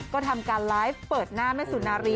ก็ทำการไลฟ์เปิดหน้าแม่สุนารี